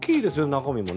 中身も。